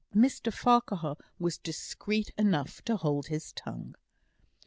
Mr Farquhar was discreet enough to hold his tongue.